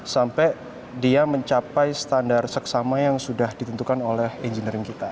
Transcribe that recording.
sampai dia mencapai standar seksama yang sudah ditentukan oleh engineering kita